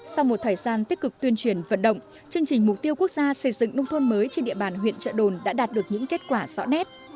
sau một thời gian tích cực tuyên truyền vận động chương trình mục tiêu quốc gia xây dựng nông thôn mới trên địa bàn huyện trợ đồn đã đạt được những kết quả rõ nét